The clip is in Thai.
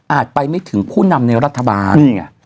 อาจไปไม่ถึงผู้นำในรัฐบาล